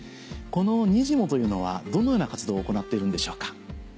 このにじモというのはどのような活動を行っているんでしょうか？